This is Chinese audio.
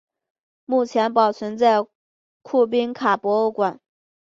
目前保存在库宾卡博物馆。